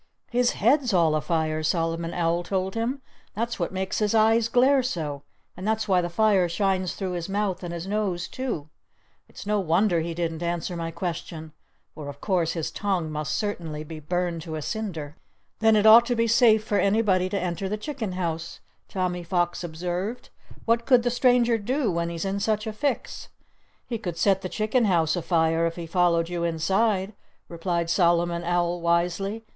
"His head's all afire!" Solomon Owl told him. "That's what makes his eyes glare so. And that's why the fire shines through his mouth and his nose, too. It's no wonder he didn't answer my question—for, of course, his tongue must certainly be burned to a cinder." "Then it ought to be safe for anybody to enter the chicken house," Tommy Fox observed. "What could the stranger do, when he's in such a fix?" "He could set the chicken house afire, if he followed you inside," replied Solomon Owl wisely.